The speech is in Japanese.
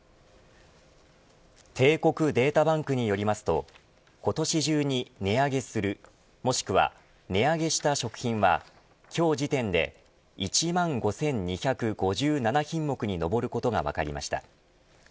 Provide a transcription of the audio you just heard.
帝国データバンクによりますと今年中に値上げするもしくは値上げした食品は今日時点で１万５２５７品目に上ることが分かりました。